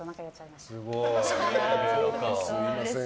すみません。